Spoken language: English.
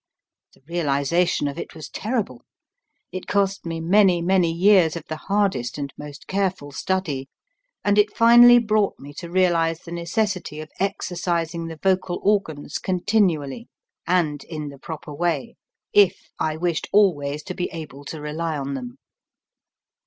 The realization of it was terri ble ! It cost me many, many years of the hardest and most careful study ; and it finally brought me to realize the necessity of exercis ing the vocal organs continually, and in the 250 HOW TO SING proper way, if I wished always to be able to rely on them.